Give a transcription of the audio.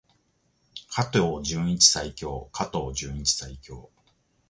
加藤純一最強！加藤純一最強！